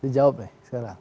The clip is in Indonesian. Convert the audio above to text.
jawab nih sekarang